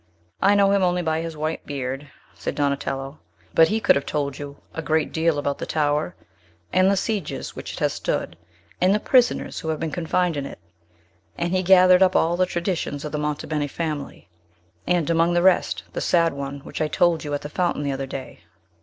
"I know him only by his white beard," said Donatello; "but he could have told you a great deal about the tower, and the sieges which it has stood, and the prisoners who have been confined in it. And he gathered up all the traditions of the Monte Beni family, and, among the rest, the sad one which I told you at the fountain the other day.